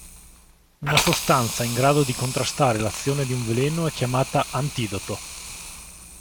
Una sostanza in grado di contrastare l'azione di un veleno è chiamata "antidoto".